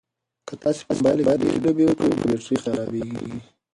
که تاسي په موبایل کې ډېرې لوبې وکړئ نو بېټرۍ خرابیږي.